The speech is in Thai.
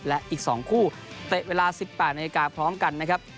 และอีก๒คู่เตะเวลา๑๘นาฬิกาพร้อมกันนะครับ